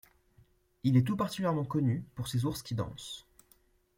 Il est tout particulièrement connu pour ses ours qui dansent.